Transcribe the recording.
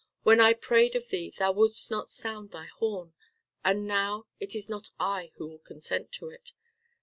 When I prayed of thee thou wouldst not sound thy horn, and now it is not I who will consent to it.